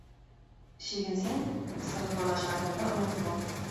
Чигенсәң кысрыкланачагыңны онытма.